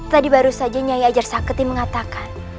tadi baru saja nyai ajar saketi mengatakan